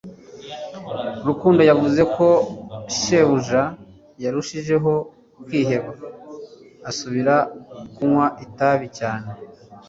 Rukundo yavuze ko shebuja yarushijeho kwiheba asubira kunywa itabi cyane